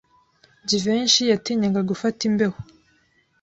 Jivency yatinyaga gufata imbeho.